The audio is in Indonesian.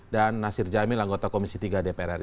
dan nasir jamil anggota komisi tiga dpr ri